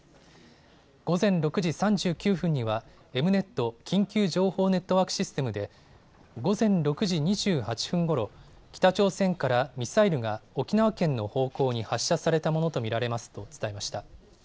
午前６時３９分には、エムネット・緊急情報ネットワークシステムで、午前６時２８分ごろ、北朝鮮からミサイルが沖縄県の方向に発射されたものと見られますと伝えました。